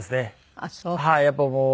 あっそう。